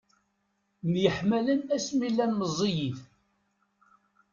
Myeḥmmalen asmi llan meẓẓiyit.